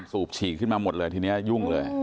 สูบฉีดขึ้นมาหมดเลยทีนี้ยุ่งเลย